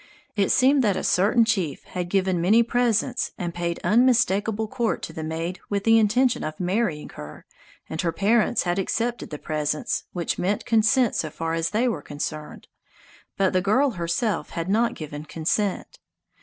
It seemed that a certain chief had given many presents and paid unmistakable court to the maid with the intention of marrying her, and her parents had accepted the presents, which meant consent so far as they were concerned. But the girl herself had not given consent.